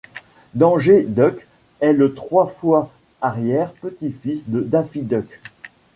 Danger Duck est le trois fois arrière-petit-fils de Daffy Duck.